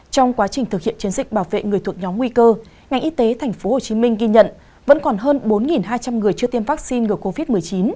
trong quá trình thực hiện chiến dịch bảo vệ người thuộc nhóm nguy cơ ngành y tế tp hcm ghi nhận vẫn còn hơn bốn hai trăm linh người chưa tiêm vaccine ngừa covid một mươi chín